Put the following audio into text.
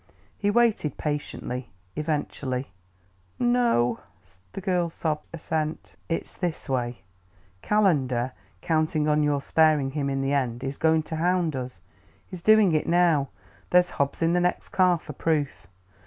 He waited patiently. Eventually, "No o," the girl sobbed assent. "It's this way: Calendar, counting on your sparing him in the end, is going to hound us. He's doing it now: there's Hobbs in the next car, for proof.